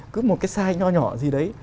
cứ một cái sai nhỏ nhỏ gì đấy